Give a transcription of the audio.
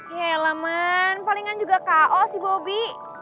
iya lah man palingan juga ko si bobby